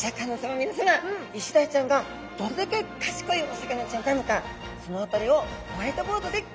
みなさまイシダイちゃんがどれだけ賢いお魚ちゃんなのかその辺りをホワイトボードでギョ説明いたします。